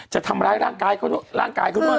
จะทำร้ายร่างกายเขาด้วย